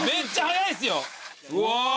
うわ！